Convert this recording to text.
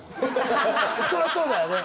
そりゃそうだよね